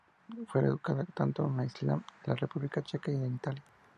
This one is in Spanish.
Fue educada, tanto en Islandia, la República Checa y en Italia.